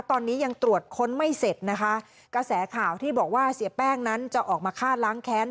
ตอนนี้ยังตรวจค้นไม่เสร็จนะคะกระแสข่าวที่บอกว่าเสียแป้งนั้นจะออกมาฆ่าล้างแค้น